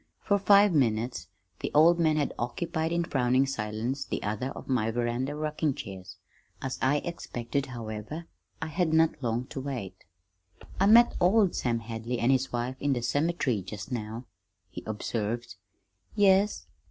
For five minutes the old man had occupied in frowning silence the other of my veranda rocking chairs. As I expected, however, I had not long to wait. "I met old Sam Hadley an' his wife in the cemetery just now," he observed. "Yes?"